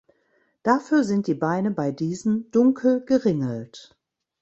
Dafür sind die Beine bei diesen dunkel geringelt.